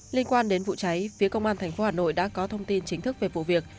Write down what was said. liên quan đến vụ cháy phía công an tp hà nội đã có thông tin chính thức về vụ việc